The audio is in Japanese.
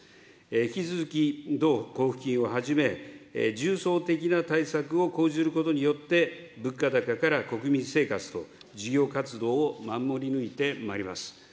引き続き同交付金をはじめ、重層的な対策を講ずることによって、物価高から国民生活と事業活動を守り抜いてまいります。